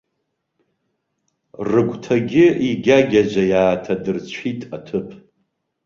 Рыгәҭагьы игьагьаӡа иааҭадырцәит аҭыԥ.